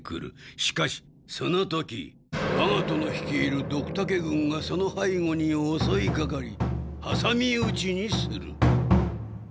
しかしその時わが殿ひきいるドクタケ軍がその背後におそいかかりはさみうちにする。